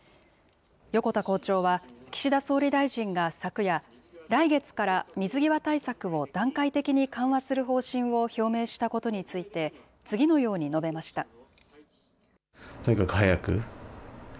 横田校長は、岸田総理大臣が昨夜、来月から水際対策を段階的に緩和する方針を表明したことについて、次のように述べました。